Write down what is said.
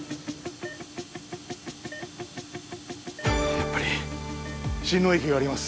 やっぱり心嚢液があります